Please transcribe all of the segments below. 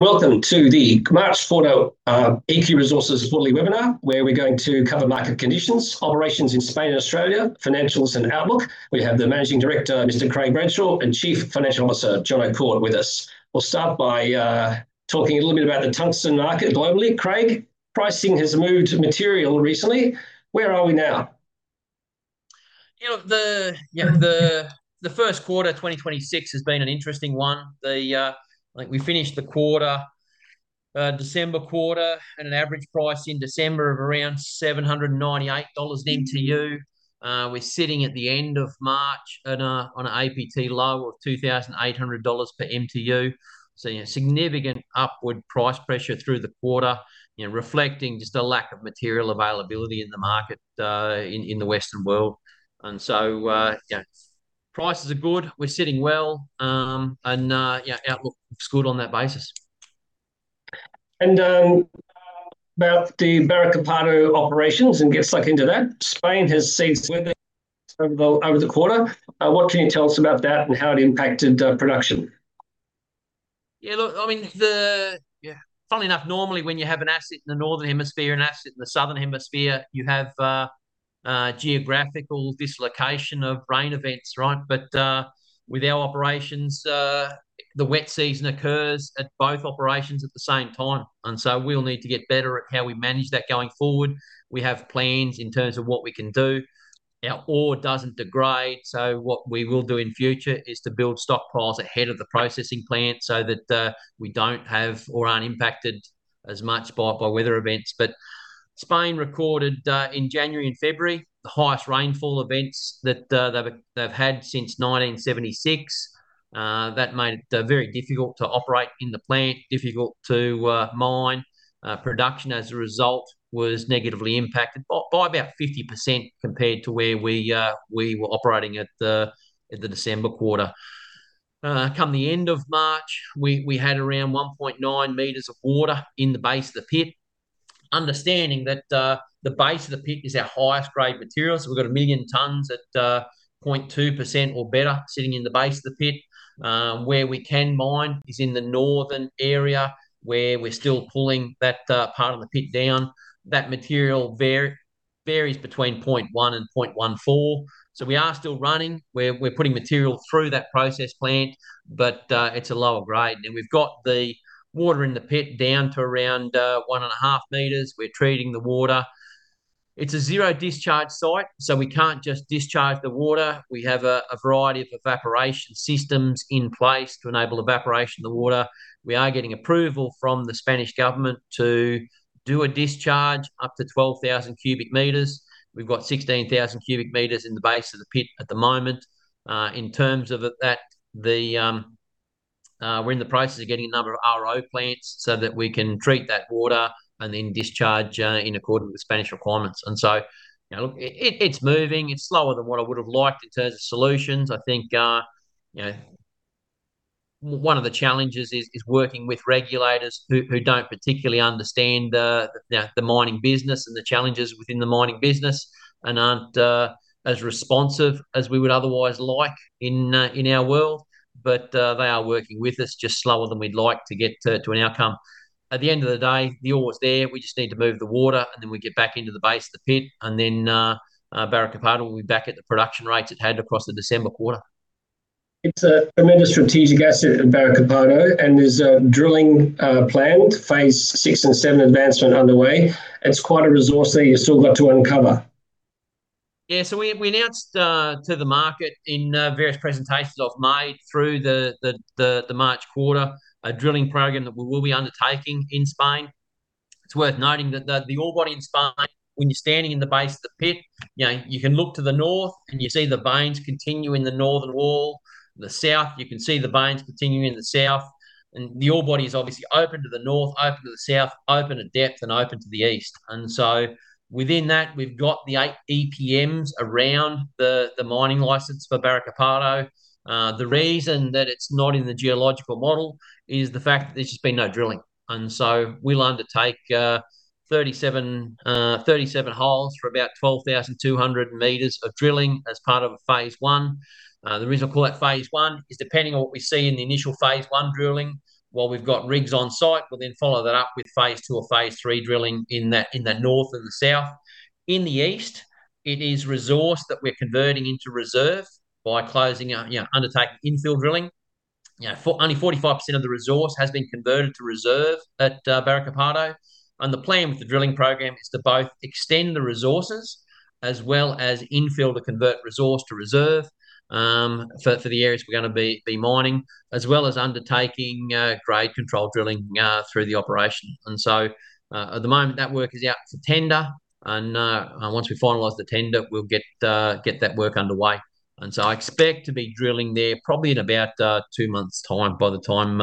Welcome to the March quarter, EQ Resources quarterly webinar, where we're going to cover market conditions, operations in Spain and Australia, financials and outlook. We have the Managing Director, Mr. Craig Bradshaw, and Chief Financial Officer, Jono Kort, with us. We'll start by talking a little bit about the tungsten market globally. Craig, pricing has moved material recently. Where are we now? You know, the first quarter 2026 has been an interesting one. The, I think we finished the quarter, December quarter at an average price in December of around 798 dollars MTU. Mm-hmm. We're sitting at the end of March on a, on a APT low of 2,800 dollars per MTU. You know, significant upward price pressure through the quarter, you know, reflecting just a lack of material availability in the market, in the Western world. Yeah, prices are good. We're sitting well, yeah, outlook looks good on that basis. About the Barruecopardo operations and get stuck into that. Spain has seen some weather over the quarter. What can you tell us about that and how it impacted production? Funnily enough, normally when you have an asset in the northern hemisphere and an asset in the southern hemisphere, you have geographical dislocation of rain events, right? With our operations, the wet season occurs at both operations at the same time, we'll need to get better at how we manage that going forward. We have plans in terms of what we can do. Our ore doesn't degrade, what we will do in future is to build stockpiles ahead of the processing plant so that we don't have, or aren't impacted as much by weather events. Spain recorded in January and February the highest rainfall events that they've had since 1976. That made it very difficult to operate in the plant, difficult to mine. Production as a result was negatively impacted by about 50% compared to where we were operating at the December quarter. Come the end of March, we had around 1.9 m of water in the base of the pit. Understanding that the base of the pit is our highest grade material, so we've got 1 million tonnes at 0.2% or better sitting in the base of the pit. Where we can mine is in the northern area where we're still pulling that part of the pit down. That material varies between 0.1% and 0.14%, so we are still running. We're putting material through that process plant, but it's a lower grade. We've got the water in the pit down to around 1.5 m. We're treating the water. It's a zero discharge site, so we can't just discharge the water. We have a variety of evaporation systems in place to enable evaporation of the water. We are getting approval from the Spanish government to do a discharge up to 12,000 cu m. We've got 16,000 cu m in the base of the pit at the moment. In terms of that, we're in the process of getting a number of RO plants so that we can treat that water and then discharge in accordance with Spanish requirements. You know, look, it's moving. It's slower than what I would have liked in terms of solutions. I think, you know, one of the challenges is working with regulators who don't particularly understand, you know, the mining business and the challenges within the mining business and aren't as responsive as we would otherwise like in our world. They are working with us, just slower than we'd like to get to an outcome. At the end of the day, the ore is there. We just need to move the water and then we get back into the base of the pit and then Barruecopardo will be back at the production rates it had across the December quarter. It's a tremendous strategic asset at Barruecopardo and there's drilling planned, phase 6 and 7 advancement underway. It's quite a resource there you've still got to uncover. Yeah, we announced to the market in various presentations I've made through the March quarter a drilling program that we will be undertaking in Spain. It's worth noting that the ore body in Spain, when you're standing in the base of the pit, you know, you can look to the north and you see the veins continuing the northern wall. To the south, you can see the veins continuing in the south. The ore body is obviously open to the north, open to the south, open to depth and open to the east. Within that, we've got the eight EPMs around the mining license for Barruecopardo. The reason that it's not in the geological model is the fact that there's just been no drilling. We'll undertake 37 holes for about 12,200 m of drilling as part of a phase 1. The reason I call that phase 1 is depending on what we see in the initial phase 1 drilling, while we've got rigs on site, we'll then follow that up with phase 2 or phase 3 drilling in the north and the south. In the east, it is resource that we're converting into reserve by closing, you know, undertaking infill drilling. You know, for only 45% of the resource has been converted to reserve at Barruecopardo. The plan with the drilling program is to both extend the resources as well as infill to convert resource to reserve for the areas we're gonna be mining, as well as undertaking grade control drilling through the operation. At the moment, that work is out to tender and once we finalize the tender, we'll get that work underway. I expect to be drilling there probably in about two months' time by the time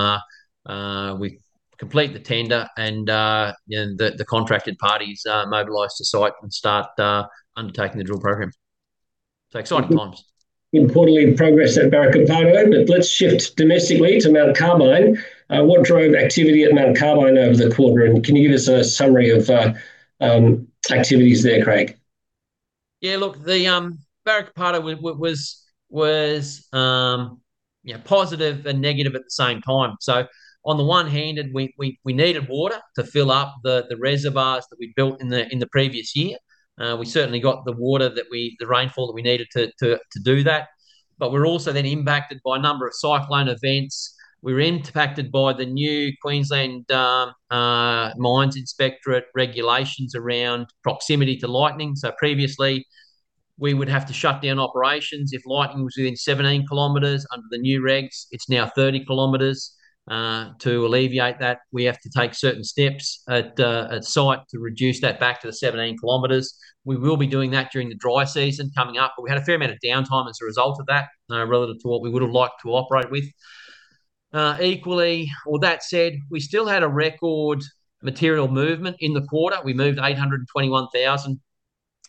we complete the tender and the contracted parties mobilize to site and start undertaking the drill program. Exciting times. Important progress at Barruecopardo, but let's shift domestically to Mount Carbine. What drove activity at Mount Carbine over the quarter and can you give us a summary of activities there, Craig? Yeah, look, the Barruecopardo was, you know, positive and negative at the same time. On the one hand, we needed water to fill up the reservoirs that we'd built in the previous year. We certainly got the rainfall that we needed to do that. We're also then impacted by a number of cyclone events. We're impacted by the new Queensland Mines Inspectorate regulations around proximity to lightning. Previously, we would have to shut down operations if lightning was within 17 km. Under the new regs, it's now 30 km. To alleviate that, we have to take certain steps at site to reduce that back to the 17 km. We will be doing that during the dry season coming up, but we had a fair amount of downtime as a result of that, relative to what we would have liked to operate with. All that said, we still had a record material movement in the quarter. We moved 821,000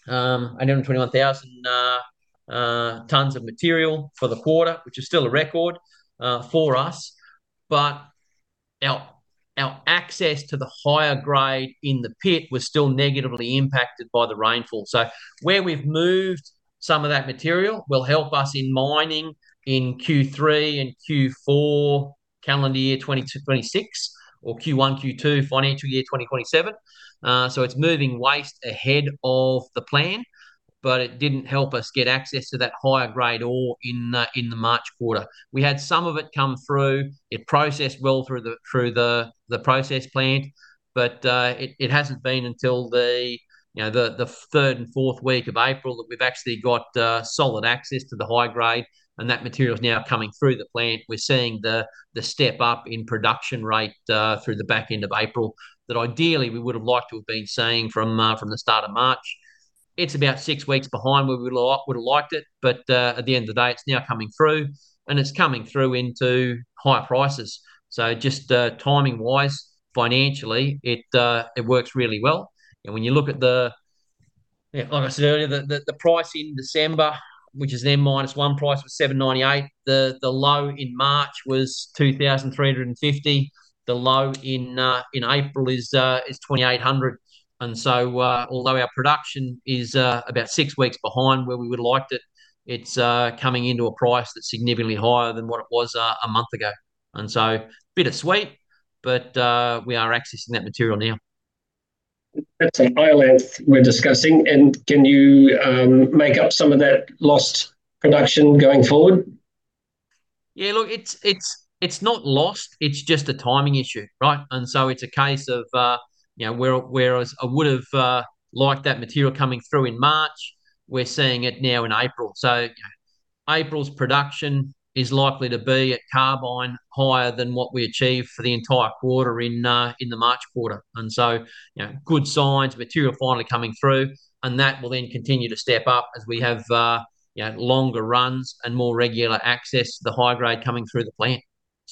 tonnes of material for the quarter, which is still a record for us. Our access to the higher grade in the pit was still negatively impacted by the rainfall. Where we've moved some of that material will help us in mining in Q3 and Q4 calendar year 2026 or Q1, Q2 financial year 2027. It's moving waste ahead of the plan, but it didn't help us get access to that higher grade ore in the March quarter. We had some of it come through. It processed well through the process plant, but it hasn't been until the, you know, the third and fourth week of April that we've actually got solid access to the high grade, and that material is now coming through the plant. We're seeing the step up in production rate through the back end of April that ideally we would have liked to have been seeing from the start of March. It's about six weeks behind where we would have liked it, but at the end of the day, it's now coming through, and it's coming through into higher prices. Just timing-wise, financially, it works really well. When you look at the, yeah, like I said earlier, the, the price in December, which is M-1 price, was 798. The, the low in March was 2,350. The low in April is 2,800. Although our production is about six weeks behind where we would have liked it's coming into a price that's significantly higher than what it was a month ago. Bittersweet, but we are accessing that material now. That's a mile length we're discussing. Can you make up some of that lost production going forward? Yeah, look, it's not lost. It's just a timing issue, right? It's a case of, you know, where, whereas I would have liked that material coming through in March, we're seeing it now in April. April's production is likely to be at Carbine higher than what we achieved for the entire quarter in the March quarter. You know, good signs, material finally coming through, and that will then continue to step up as we have, you know, longer runs and more regular access to the high grade coming through the plant.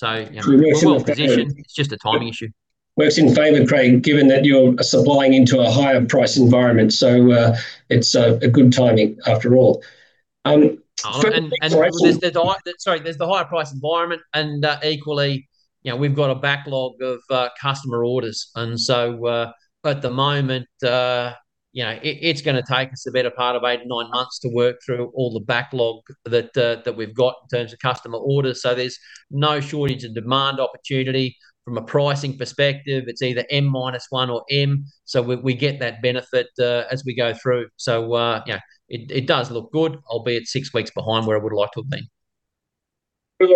You know, we're well-positioned. It's just a timing issue. Works in favor, Craig, given that you're supplying into a higher price environment. It's a good timing after all. There's the higher price environment and, equally, you know, we've got a backlog of customer orders. At the moment, you know, it's going to take us the better part of eight, nine months to work through all the backlog that we've got in terms of customer orders. There's no shortage of demand opportunity. From a pricing perspective, it's either M-1 or M, we get that benefit as we go through. You know, it does look good, albeit six weeks behind where I would like to have been.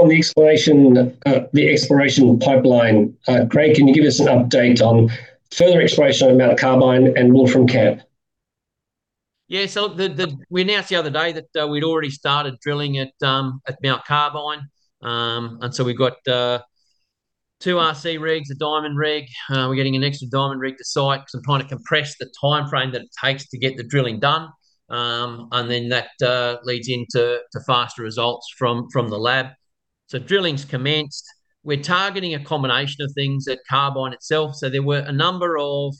On the exploration pipeline, Craig, can you give us an update on further exploration of Mount Carbine and Wolfram Camp? We announced the other day that we'd already started drilling at Mount Carbine. We've got two RC rigs, a diamond rig. We're getting an extra diamond rig to site because I'm trying to compress the timeframe that it takes to get the drilling done. That leads into faster results from the lab. Drilling's commenced. We're targeting a combination of things at Carbine itself. There were a number of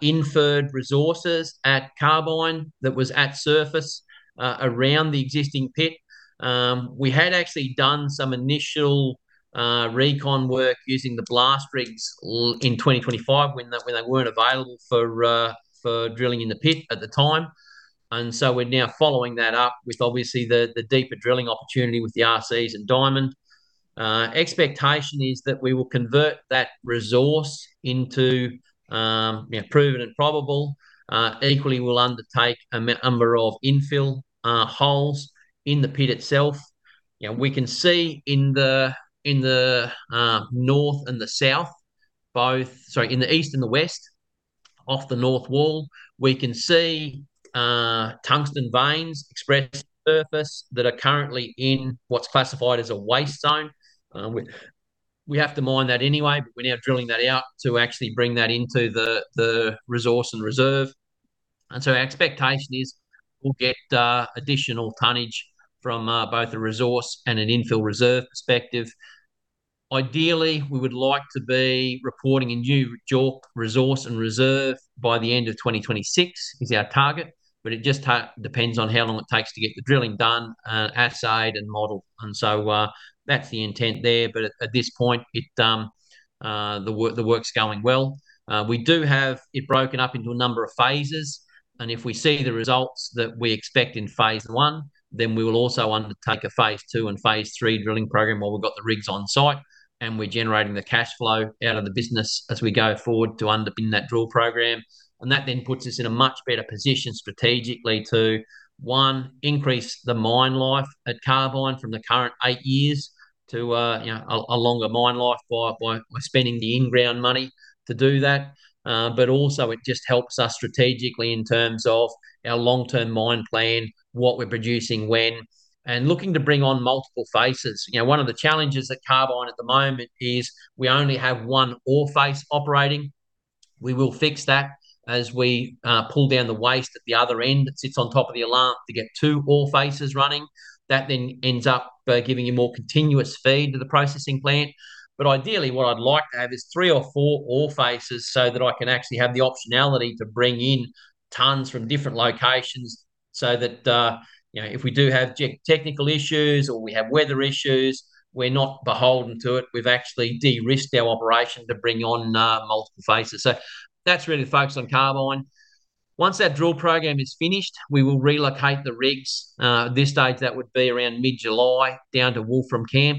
inferred resources at Carbine that was at surface around the existing pit. We had actually done some initial recon work using the blast rigs in 2025 when they weren't available for drilling in the pit at the time. We're now following that up with obviously the deeper drilling opportunity with the RCs and diamond. Expectation is that we will convert that resource into, you know, proven and probable. Equally, we'll undertake a number of infill holes in the pit itself. You know, we can see in the north and the south Sorry, in the east and the west off the north wall, we can see tungsten veins expressed surface that are currently in what's classified as a waste zone. We have to mine that anyway, but we're now drilling that out to actually bring that into the resource and reserve. Our expectation is we'll get additional tonnage from both a resource and an infill reserve perspective. Ideally, we would like to be reporting a new JORC resource and reserve by the end of 2026, is our target, but it just depends on how long it takes to get the drilling done, assayed and modeled. That's the intent there, but at this point the work's going well. We do have it broken up into a number of phases, and if we see the results that we expect in phase 1, then we will also undertake a phase 2 and phase 3 drilling program while we've got the rigs on site and we're generating the cash flow out of the business as we go forward to underpin that drill program. That then puts us in a much better position strategically to, one, increase the mine life at Carbine from the current eight years to, you know, a longer mine life by spending the in-ground money to do that. Also it just helps us strategically in terms of our long-term mine plan, what we're producing when, and looking to bring on multiple faces. You know, one of the challenges at Carbine at the moment is we only have one ore face operating. We will fix that as we pull down the waste at the other end that sits on top of the Iolanthe to get two ore faces running. That then ends up giving you more continuous feed to the processing plant. Ideally, what I'd like to have is three or four ore faces so that I can actually have the optionality to bring in tonnes from different locations so that, you know, if we do have technical issues or we have weather issues, we're not beholden to it. We've actually de-risked our operation to bring on multiple faces. That's really the focus on Carbine. Once that drill program is finished, we will relocate the rigs. At this stage that would be around mid-July down to Wolfram Camp.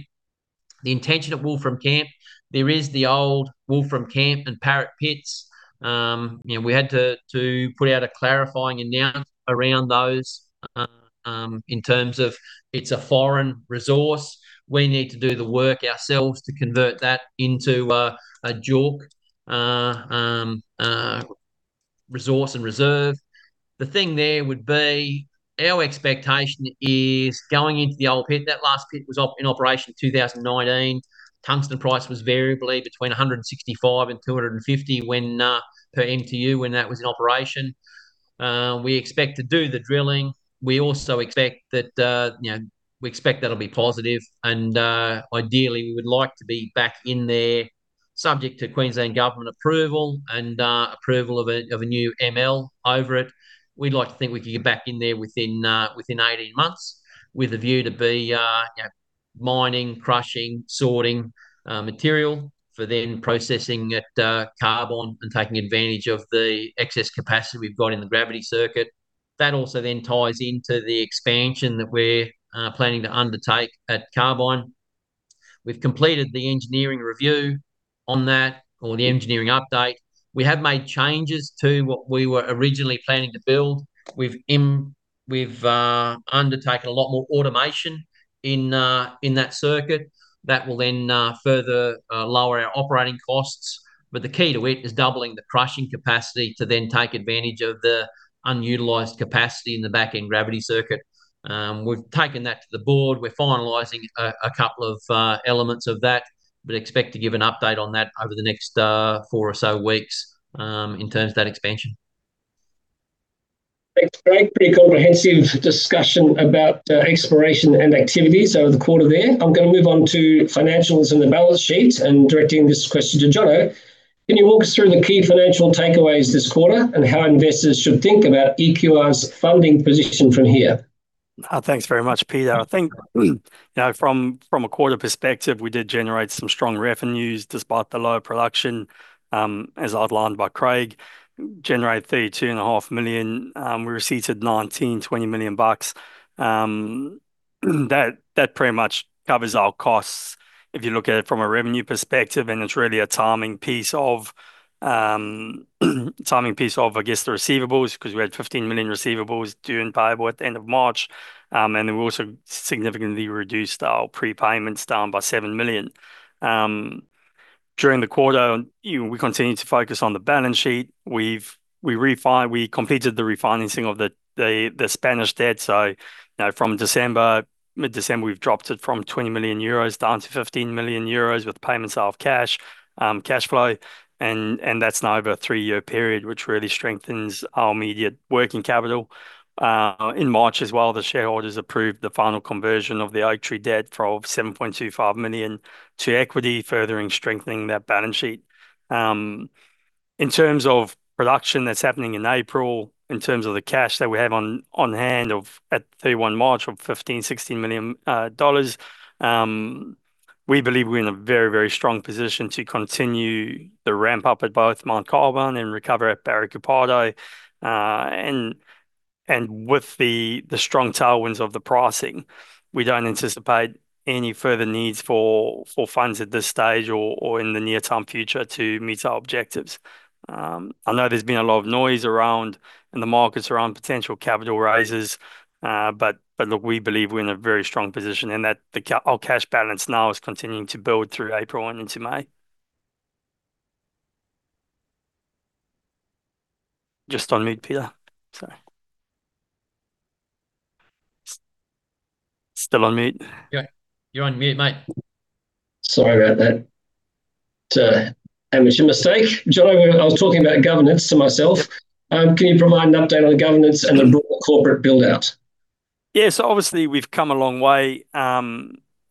The intention at Wolfram Camp, there is the old Wolfram Camp and Parrot pits. You know, we had to put out a clarifying announcement around those in terms of it's a foreign resource. We need to do the work ourselves to convert that into a JORC resource and reserve. The thing there would be our expectation is going into the old pit, that last pit was in operation 2019. Tungsten price was variably between 165 and 250 per MTU when that was in operation. We expect to do the drilling. We also expect that, you know, we expect that'll be positive and ideally we would like to be back in there subject to Queensland Government approval and approval of a new ML over it. We'd like to think we can get back in there within 18 months with a view to be, you know, mining, crushing, sorting material for then processing at Carbine and taking advantage of the excess capacity we've got in the gravity circuit. That also then ties into the expansion that we're planning to undertake at Carbine. We've completed the engineering review on that or the engineering update. We have made changes to what we were originally planning to build. We've undertaken a lot more automation in that circuit that will then further lower our operating costs. The key to it is doubling the crushing capacity to then take advantage of the unutilized capacity in the backend gravity circuit. We've taken that to the board. We're finalizing a couple of elements of that, expect to give an update on that over the next four or so weeks in terms of that expansion. Thanks, Craig. Pretty comprehensive discussion about exploration and activities over the quarter there. I'm going to move on to financials and the balance sheets and directing this question to Jono. Can you walk us through the key financial takeaways this quarter and how investors should think about EQR's funding position from here? Thanks very much, Peter. I think, from a quarter perspective, we did generate some strong revenues despite the low production, as outlined by Craig. Generated 32 and a half million. We received 19 million-20 million bucks. That pretty much covers our costs if you look at it from a revenue perspective, and it's really a timing piece of, I guess, the receivables because we had 15 million receivables due and payable at the end of March. We also significantly reduced our prepayments down by 7 million. During the quarter, we continued to focus on the balance sheet. We completed the refinancing of the Spanish debt. You know, from December, mid-December, we've dropped it from 20 million euros down to 15 million euros with payments of cash flow and that's now over a three-year period, which really strengthens our immediate working capital. In March as well, the shareholders approved the final conversion of the Oaktree debt from 7.25 million to equity, furthering strengthening that balance sheet. In terms of production that's happening in April, in terms of the cash that we have on hand of, at 31 March of 15 million-16 million dollars, we believe we're in a very, very strong position to continue the ramp up at both Mount Carbine and recover at Barruecopardo. And with the strong tailwinds of the pricing, we don't anticipate any further needs for funds at this stage or in the near term future to meet our objectives. I know there's been a lot of noise around, in the markets around potential capital raises, but look, we believe we're in a very strong position and that our cash balance now is continuing to build through April and into May. Just on mute, Peter, so. Still on mute. Yeah, you're on mute, mate. Sorry about that. To admit your mistake. Jono, I was talking about governance to myself. Can you provide an update on the governance and the broader corporate build-out? Yeah. Obviously we've come a long way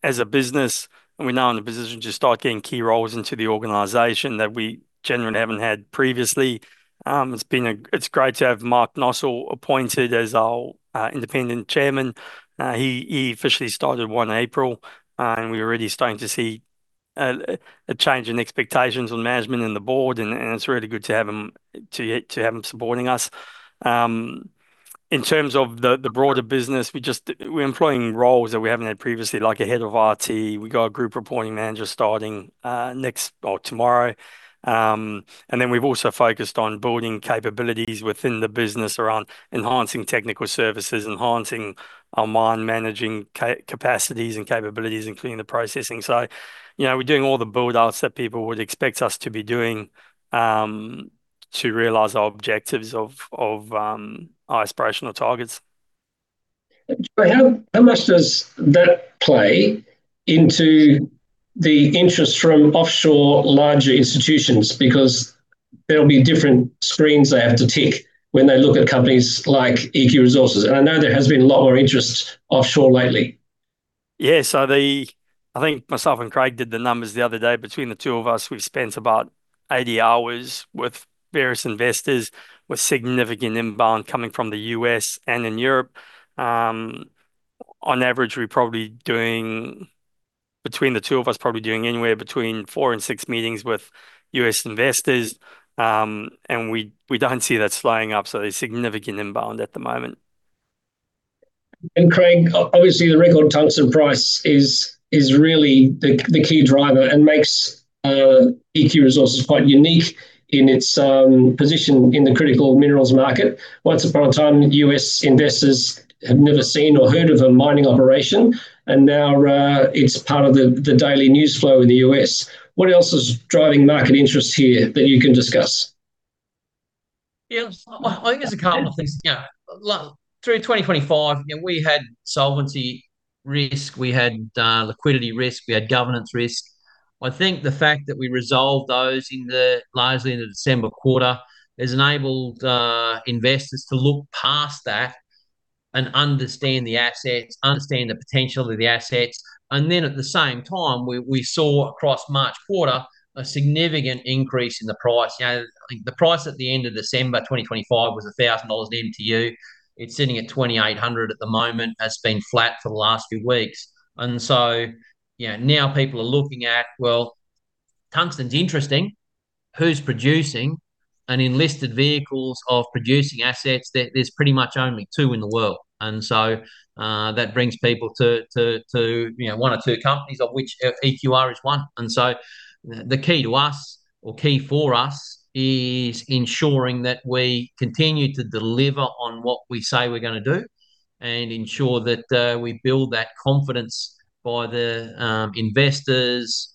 as a business and we're now in a position to start getting key roles into the organization that we generally haven't had previously. It's great to have Michael Nossal appointed as our Independent Chairman. He officially started 1 April. We're already starting to see a change in expectations on management and the board and it's really good to have him supporting us. In terms of the broader business, we're employing roles that we haven't had previously, like a Head of IT. We got a Group Reporting Manager starting tomorrow. We've also focused on building capabilities within the business around enhancing technical services, enhancing our mine managing capacities and capabilities, including the processing. you know, we're doing all the build-outs that people would expect us to be doing, to realize our objectives of our aspirational targets. How much does that play into the interest from offshore larger institutions? There'll be different screens they have to tick when they look at companies like EQ Resources. I know there has been a lot more interest offshore lately. Yeah. I think myself and Craig did the numbers the other day. Between the two of us, we've spent about 80 hours with various investors, with significant inbound coming from the U.S. and in Europe. On average, we're probably doing, between the two of us, probably doing anywhere between four and six meetings with U.S. investors. We don't see that slowing up. There's significant inbound at the moment. Craig, obviously the record tungsten price is really the key driver and makes EQ Resources quite unique in its position in the critical minerals market. Once upon a time, U.S. investors have never seen or heard of a mining operation, and now it's part of the daily news flow in the U.S. What else is driving market interest here that you can discuss? Yeah. I think there's a couple of things. You know, like through 2025, you know, we had solvency risk, we had liquidity risk, we had governance risk. I think the fact that we resolved those largely in the December quarter has enabled investors to look past that and understand the assets, understand the potential of the assets. At the same time, we saw across March quarter a significant increase in the price. You know, I think the price at the end of December 2025 was 1,000 dollars an MTU. It's sitting at 2,800 at the moment, has been flat for the last few weeks. Now people are looking at, well, tungsten's interesting. Who's producing? In listed vehicles of producing assets, there's pretty much only two in the world. That brings people to, you know, one or two companies, of which EQR is one. The key to us or key for us is ensuring that we continue to deliver on what we say we're gonna do, and ensure that we build that confidence by the investors,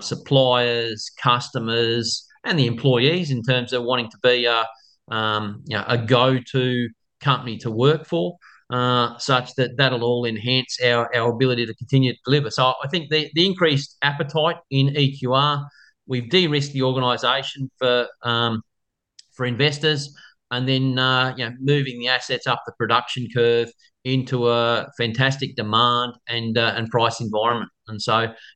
suppliers, customers, and the employees in terms of wanting to be a, you know, a go-to company to work for, such that that'll all enhance our ability to continue to deliver. I think the increased appetite in EQR, we've de-risked the organization for investors, you know, moving the assets up the production curve into a fantastic demand and price environment.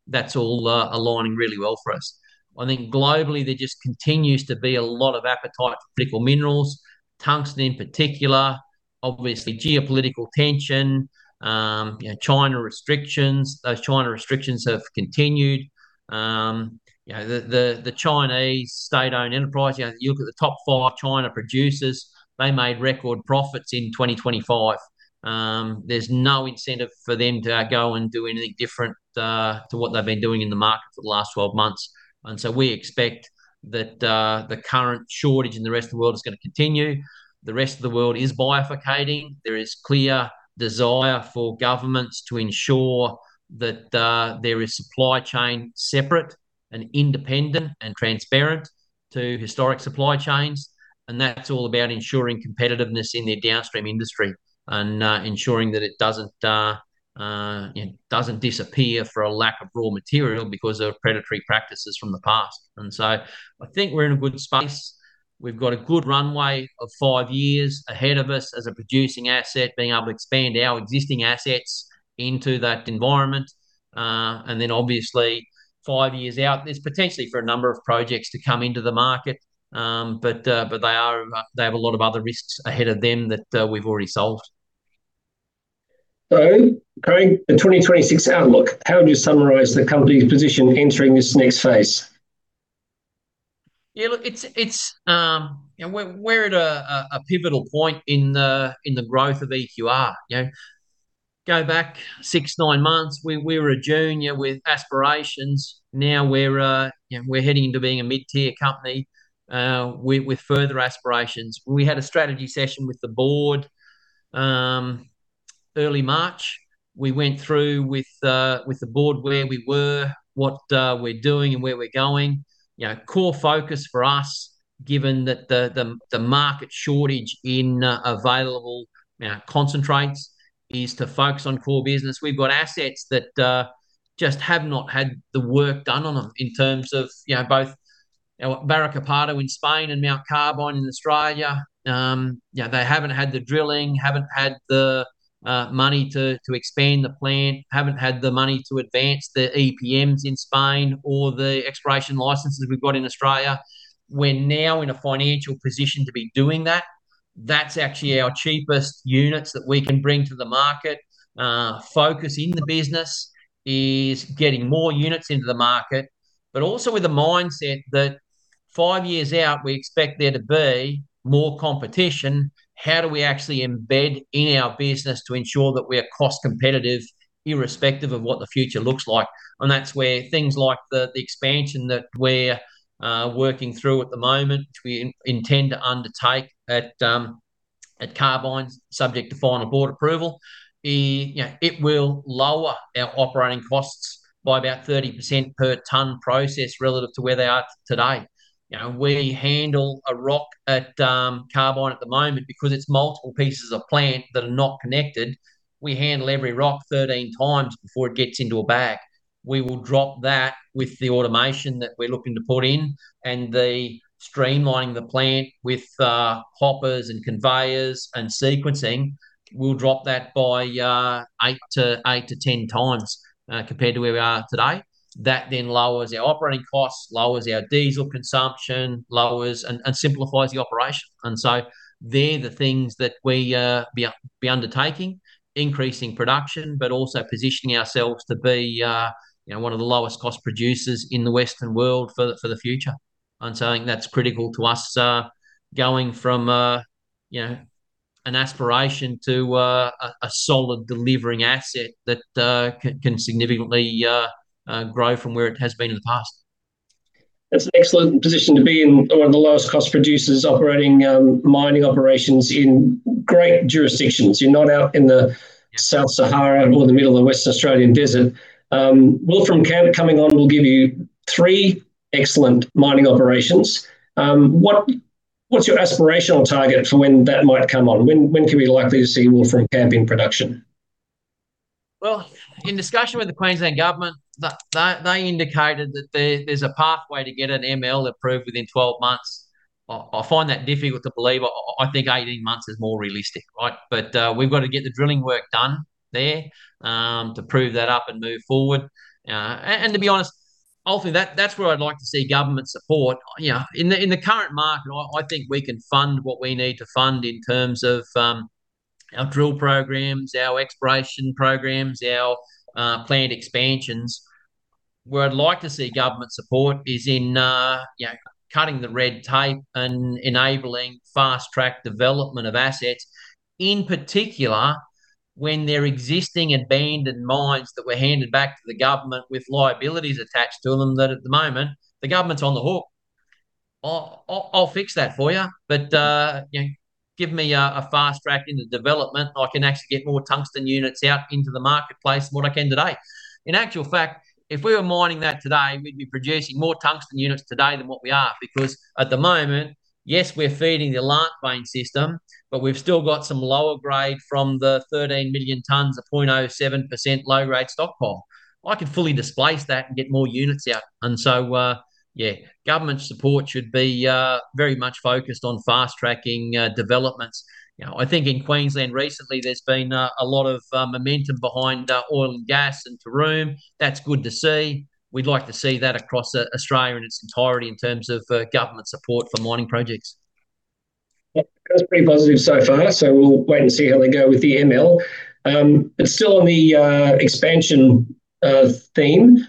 That's all aligning really well for us. I think globally there just continues to be a lot of appetite for critical minerals, tungsten in particular. Obviously geopolitical tension, you know, China restrictions. Those China restrictions have continued. You know, the, the Chinese state-owned enterprise, you know, you look at the top five China producers, they made record profits in 2025. There's no incentive for them to go and do anything different to what they've been doing in the market for the last 12 months. We expect that the current shortage in the rest of the world is gonna continue. The rest of the world is bifurcating. There is clear desire for governments to ensure that there is supply chain separate and independent and transparent to historic supply chains, and that's all about ensuring competitiveness in their downstream industry and ensuring that it doesn't, you know, doesn't disappear for a lack of raw material because of predatory practices from the past. I think we're in a good space. We've got a good runway of five years ahead of us as a producing asset, being able to expand our existing assets into that environment. Obviously five years out, there's potentially for a number of projects to come into the market. They are, they have a lot of other risks ahead of them that we've already solved. Craig, the 2026 outlook, how would you summarize the company's position entering this next phase? Yeah, look, it's, you know, we're at a pivotal point in the growth of EQR. You know, go back 6-9 months, we were a junior with aspirations. Now we're, you know, we're heading into being a mid-tier company with further aspirations. We had a strategy session with the board early March. We went through with the board where we were, what we're doing, and where we're going. You know, core focus for us. Given that the market shortage in available, you know, concentrates is to focus on core business. We've got assets that just have not had the work done on them in terms of, you know, both, Barruecopardo in Spain and Mount Carbine in Australia. You know, they haven't had the drilling, haven't had the money to expand the plant, haven't had the money to advance the EPMs in Spain or the exploration licenses we've got in Australia. We're now in a financial position to be doing that. That's actually our cheapest units that we can bring to the market. Focus in the business is getting more units into the market, also with the mindset that five years out we expect there to be more competition. How do we actually embed in our business to ensure that we are cost competitive irrespective of what the future looks like? That's where things like the expansion that we're working through at the moment, which we intend to undertake at Carbine, subject to final board approval, it, you know, it will lower our operating costs by about 30% per tonne processed relative to where they are today. You know, we handle a rock at Carbine at the moment, because it's multiple pieces of plant that are not connected, we handle every rock 13 times before it gets into a bag. We will drop that with the automation that we're looking to put in and the streamlining the plant with hoppers and conveyors and sequencing. We'll drop that by 8-10 times compared to where we are today. That lowers our operating costs, lowers our diesel consumption, lowers and simplifies the operation. They're the things that we be undertaking. Increasing production but also positioning ourselves to be, you know, one of the lowest cost producers in the Western world for the future. I think that's critical to us going from, you know, an aspiration to a solid delivering asset that can significantly grow from where it has been in the past. That's an excellent position to be in. One of the lowest cost producers operating mining operations in great jurisdictions. You're not out in the South Sahara or the middle of the Western Australian desert. Wolfram Camp coming on will give you three excellent mining operations. What's your aspirational target for when that might come on? When can we likely to see Wolfram Camp in production? Well, in discussion with the Queensland Government, they indicated that there's a pathway to get an ML approved within 12 months. I find that difficult to believe. I think 18 months is more realistic, right? We've got to get the drilling work done there to prove that up and move forward. And to be honest, ultimately that's where I'd like to see government support. You know, in the current market I think we can fund what we need to fund in terms of our drill programs, our exploration programs, our plant expansions. Where I'd like to see government support is in, you know, cutting the red tape and enabling fast-track development of assets, in particular when they're existing abandoned mines that were handed back to the government with liabilities attached to them, that at the moment the government's on the hook. I'll fix that for you, but, you know, give me a fast track into development. I can actually get more tungsten units out into the marketplace than what I can today. In actual fact, if we were mining that today, we'd be producing more tungsten units today than what we are because at the moment, yes, we're feeding the Iolanthe Mine system, but we've still got some lower grade from the 13 million tonnes of 0.07% low-grade stockpile. I can fully displace that and get more units out. Yeah, government support should be very much focused on fast-tracking developments. You know, I think in Queensland recently there's been a lot of momentum behind oil and gas and Taroom. That's good to see. We'd like to see that across Australia in its entirety in terms of government support for mining projects. That's pretty positive so far. We'll wait and see how they go with the ML. Still on the expansion theme,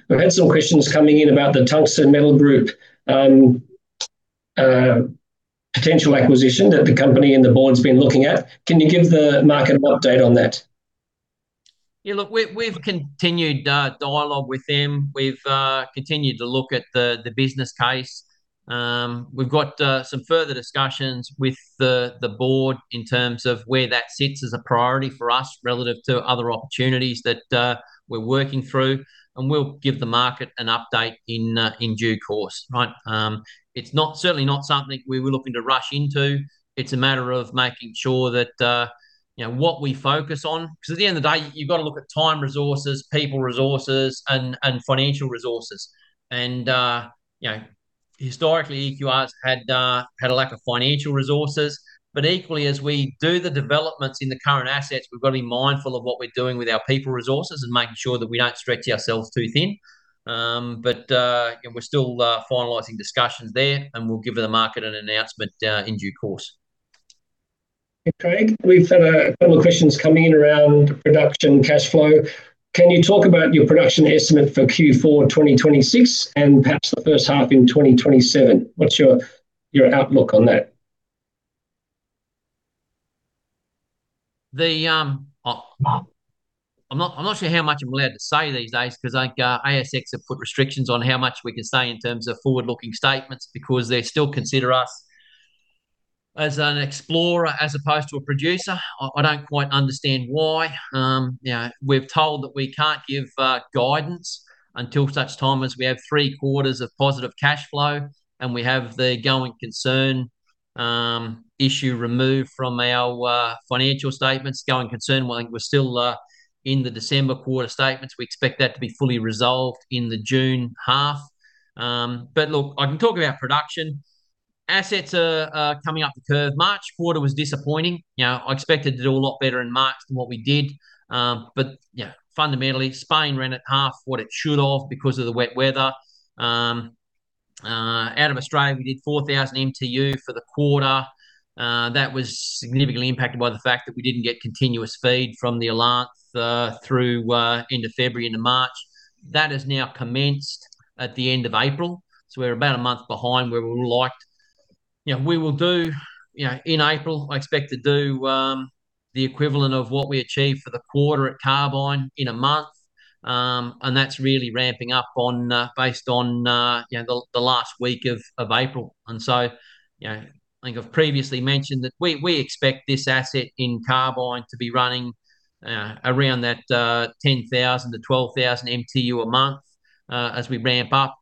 we've had some questions coming in about the Tungsten Metal Group potential acquisition that the company and the board's been looking at. Can you give the market an update on that? Yeah, look, we've continued dialogue with them. We've continued to look at the business case. We've got some further discussions with the board in terms of where that sits as a priority for us relative to other opportunities that we're working through, and we'll give the market an update in due course. Right. It's not, certainly not something we were looking to rush into. It's a matter of making sure that, you know, what we focus on. Cause at the end of the day, you've got to look at time resources, people resources and financial resources. You know, historically EQR's had a lack of financial resources. Equally, as we do the developments in the current assets, we've got to be mindful of what we're doing with our people resources and making sure we don't stretch ourselves too thin. You know, we're still finalizing discussions there, and we'll give the market an announcement in due course. Craig, we've had a couple of questions coming in around production cash flow. Can you talk about your production estimate for Q4 2026 and perhaps the first half in 2027? What's your outlook on that? The, I'm not sure how much I'm allowed to say these days 'cause, like, ASX have put restrictions on how much we can say in terms of forward-looking statements because they still consider us as an explorer as opposed to a producer. I don't quite understand why. You know, we're told that we can't give guidance until such time as we have three quarters of positive cash flow and we have the going concern issue removed from our financial statements. Going concern, well, we're still in the December quarter statements. We expect that to be fully resolved in the June half. Look, I can talk about production. Assets are coming up the curve. March quarter was disappointing. You know, I expected to do a lot better in March than what we did. Yeah, fundamentally Spain ran at half what it should of because of the wet weather. Out of Australia we did 4,000 MTU for the quarter. That was significantly impacted by the fact that we didn't get continuous feed from the Iolanthe through into February, into March. That has now commenced at the end of April, we're about a month behind where we would've liked. You know, we will do, you know, in April I expect to do the equivalent of what we achieved for the quarter at Mount Carbine in a month. That's really ramping up on based on, you know, the last week of April. You know, I think I've previously mentioned that we expect this asset in Carbine to be running around that 10,000-12,000 MTU a month as we ramp up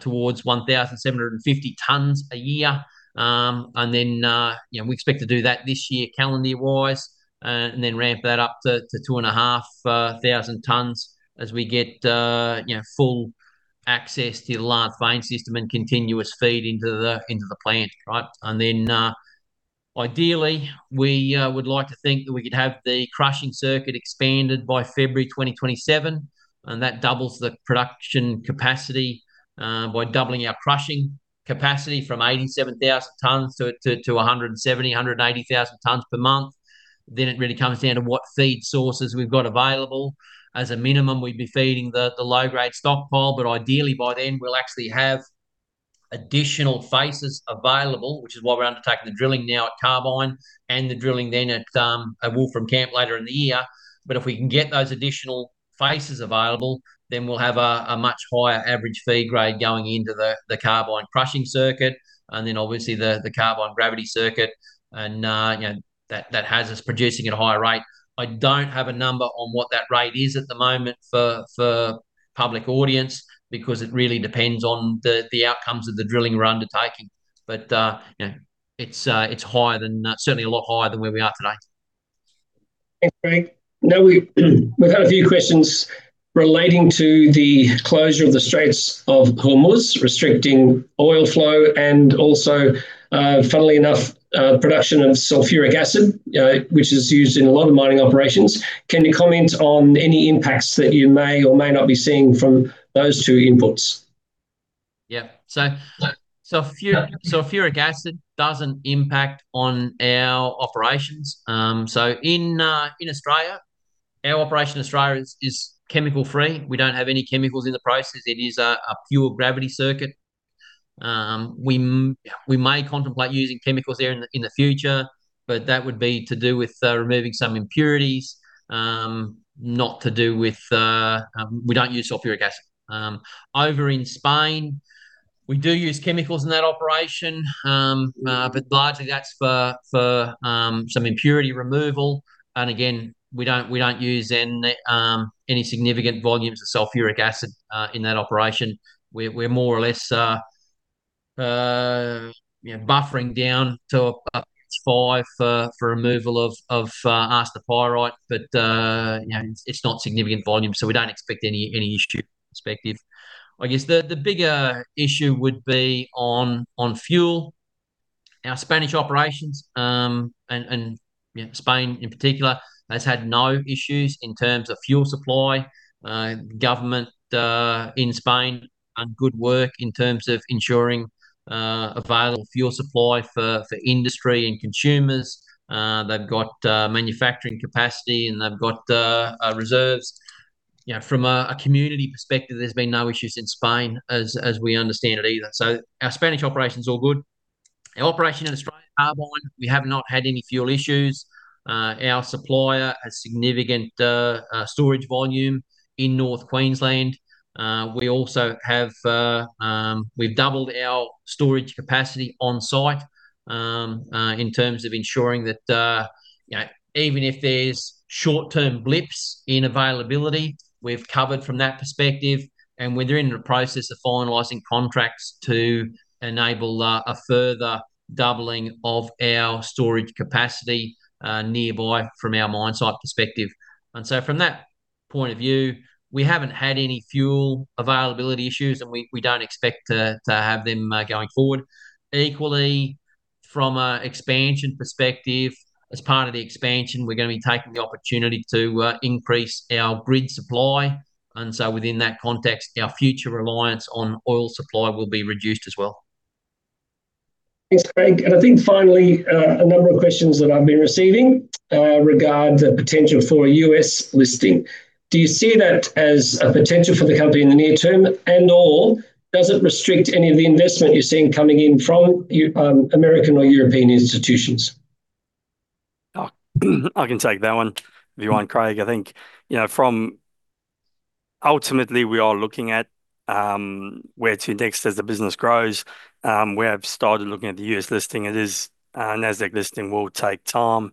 towards 1,750 tonnes a year. You know, we expect to do that this year calendar-wise, and then ramp that up to 2,500 tonnes as we get, you know, full access to the large vein system and continuous feed into the plant, right? Ideally we would like to think that we could have the crushing circuit expanded by February 2027, and that doubles the production capacity by doubling our crushing capacity from 87,000 tonnes to 170,000-180,000 tonnes per month. It really comes down to what feed sources we've got available. As a minimum we'd be feeding the low-grade stockpile, ideally by then we'll actually have additional faces available, which is why we're undertaking the drilling now at Carbine and the drilling then at Wolfram Camp later in the year. If we can get those additional faces available, we'll have a much higher average feed grade going into the Carbine crushing circuit, obviously the Carbine gravity circuit. You know, that has us producing at a higher rate. I don't have a number on what that rate is at the moment for public audience because it really depends on the outcomes of the drilling we're undertaking. You know, it's higher than certainly a lot higher than where we are today. Thanks, Craig Bradshaw. We've had a few questions relating to the closure of the Strait of Hormuz restricting oil flow and also, funnily enough, production of sulfuric acid, which is used in a lot of mining operations. Can you comment on any impacts that you may or may not be seeing from those two inputs? Sulfuric acid doesn't impact on our operations. In Australia, our operation in Australia is chemical free. We don't have any chemicals in the process. It is a pure gravity circuit. We may contemplate using chemicals there in the future, but that would be to do with removing some impurities. We don't use sulfuric acid. Over in Spain we do use chemicals in that operation, but largely that's for some impurity removal. Again, we don't use any significant volumes of sulfuric acid in that operation. We're more or less, you know, buffering down to a pH five for removal of arsenopyrite but, you know, it's not significant volume so we don't expect any issue perspective. I guess the bigger issue would be on fuel. Our Spanish operations, and, you know, Spain in particular has had no issues in terms of fuel supply. Government in Spain done good work in terms of ensuring available fuel supply for industry and consumers. They've got manufacturing capacity and they've got reserves. You know, from a community perspective, there's been no issues in Spain as we understand it either. Our Spanish operation's all good. Our operation in Australia at Carbine, we have not had any fuel issues. Our supplier has significant storage volume in North Queensland. We also have, we've doubled our storage capacity on site, in terms of ensuring that, you know, even if there's short-term blips in availability, we're covered from that perspective and we're during the process of finalizing contracts to enable a further doubling of our storage capacity nearby from our mine site perspective. From that point of view, we haven't had any fuel availability issues and we don't expect to have them going forward. Equally from a expansion perspective, as part of the expansion we're gonna be taking the opportunity to increase our grid supply, within that context our future reliance on oil supply will be reduced as well. Thanks, Craig. I think finally, a number of questions that I've been receiving, regard the potential for a U.S. listing. Do you see that as a potential for the company in the near term and/or does it restrict any of the investment you're seeing coming in from U.S., American or European institutions? I can take that one if you want, Craig. I think, you know, Ultimately, we are looking at where to next as the business grows. We have started looking at the U.S. listing. A Nasdaq listing will take time.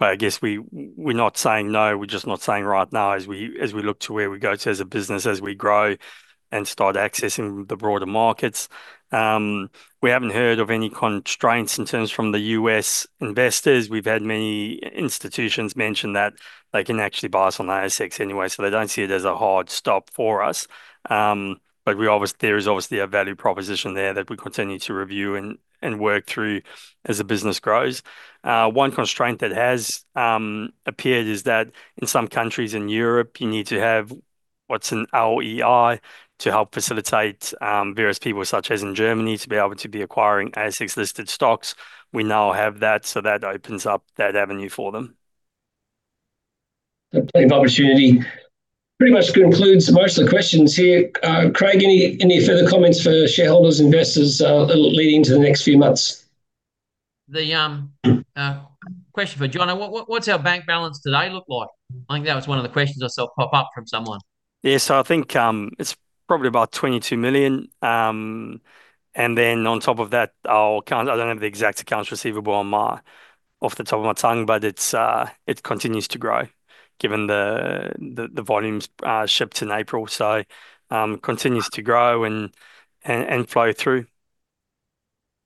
I guess we're not saying no, we're just not saying right now as we, as we look to where we go to as a business, as we grow and start accessing the broader markets. We haven't heard of any constraints in terms from the U.S. investors. We've had many institutions mention that they can actually buy us on the ASX anyway, so they don't see it as a hard stop for us. There is obviously a value proposition there that we continue to review and work through as the business grows. One constraint that has appeared is that in some countries in Europe you need to have what's an LEI to help facilitate various people such as in Germany to be able to be acquiring ASX listed stocks. We now have that opens up that avenue for them. Plenty of opportunity. Pretty much concludes most of the questions here. Craig, any further comments for shareholders, investors, leading to the next few months? The question for Jono. What's our bank balance today look like? I think that was one of the questions I saw pop up from someone. Yeah. I think, it's probably about 22 million. Then on top of that, I don't have the exact accounts receivable on my, off the top of my tongue, but it's, it continues to grow given the volumes shipped in April. continues to grow and flow through.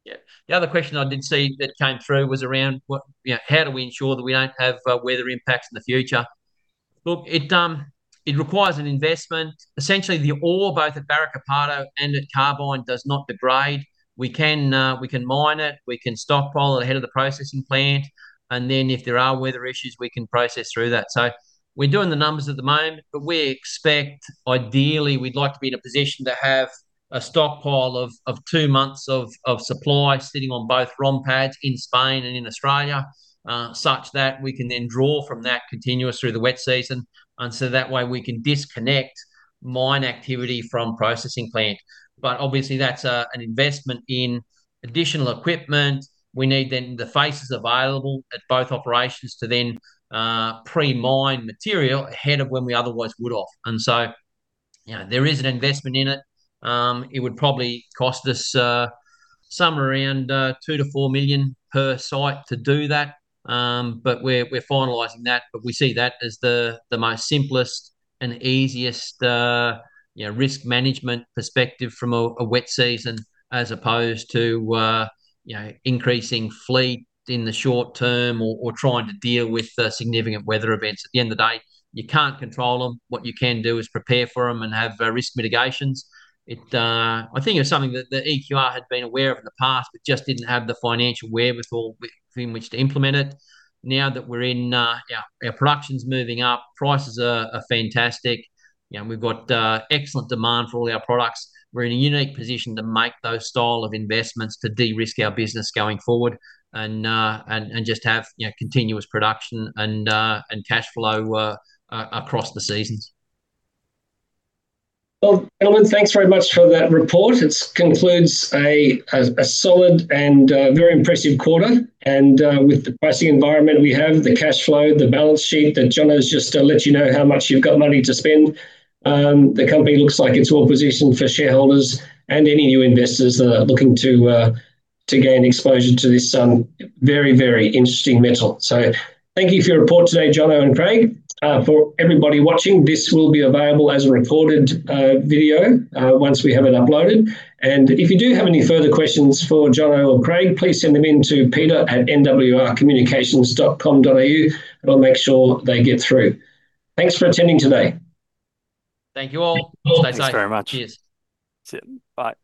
Yeah. The other question I did see that came through was around what, you know, how do we ensure that we don't have weather impacts in the future? Look, it requires an investment. Essentially, the ore both at Barruecopardo and at Carbine does not degrade. We can mine it, we can stockpile it ahead of the processing plant, and then if there are weather issues, we can process through that. We're doing the numbers at the moment, but we expect. Ideally, we'd like to be in a position to have a stockpile of two months of supply sitting on both ROM pads in Spain and in Australia, such that we can then draw from that continuous through the wet season, and so that way we can disconnect mine activity from processing plant. Obviously, that's an investment in additional equipment. We need then the faces available at both operations to then pre-mine material ahead of when we otherwise would have. You know, there is an investment in it. It would probably cost us somewhere around 2 million-4 million per site to do that. We're finalizing that. We see that as the most simplest and easiest, you know, risk management perspective from a wet season as opposed to, you know, increasing fleet in the short term or trying to deal with the significant weather events. At the end of the day, you can't control them. What you can do is prepare for them and have risk mitigations. I think it's something that the EQR had been aware of in the past, but just didn't have the financial wherewithal with, in which to implement it. Now that we're in, our production's moving up, prices are fantastic, you know, we've got excellent demand for all our products, we're in a unique position to make those style of investments to de-risk our business going forward and just have, you know, continuous production and cashflow across the seasons. Well, gentlemen, thanks very much for that report. It concludes a solid and very impressive quarter. With the pricing environment we have, the cash flow, the balance sheet, that Jono's just let you know how much you've got money to spend, the company looks like it's well-positioned for shareholders and any new investors that are looking to gain exposure to this very, very interesting metal. Thank you for your report today, Jono and Craig. For everybody watching, this will be available as a recorded video once we have it uploaded. If you do have any further questions for Jono or Craig, please send them in to peter@nwrcommunications.com.au and we'll make sure they get through. Thanks for attending today. Thank you all. Stay safe. Thanks very much. Cheers. See you. Bye.